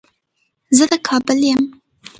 زه د کابل يم